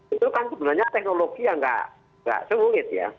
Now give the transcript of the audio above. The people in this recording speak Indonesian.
itu kan sebenarnya teknologi yang nggak sengit ya